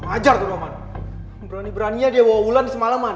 ajar tuh roman berani beraninya dia bawa wulan semaleman